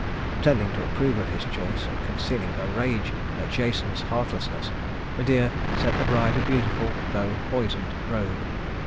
Pretending to approve of his choice, and concealing her rage at Jason's heartlessness, Medea sent the bride a beautiful, though poisoned, robe.